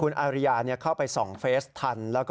คุณอาริยาเข้าไปส่องเฟสทัน